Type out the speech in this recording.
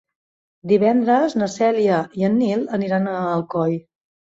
Divendres na Cèlia i en Nil aniran a Alcoi.